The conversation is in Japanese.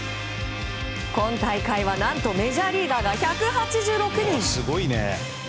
今大会は、何とメジャーリーガーが１８６人。